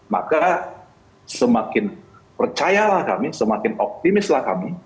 maka semakin percayalah kami semakin optimislah kami